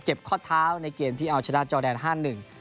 เจ็บข้อเท้าในเกมที่เอาชนะจอดแดน๕๑